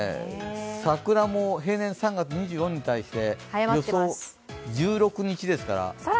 桜も平年３月２４日に対して予想、１６日ですから。